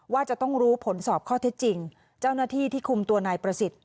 ว่าจะต้องรู้ผลสอบข้อเท็จจริงเจ้าหน้าที่ที่คุมตัวนายประสิทธิ์